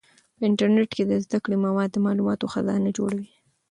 په انټرنیټ کې د زده کړې مواد د معلوماتو خزانه جوړوي.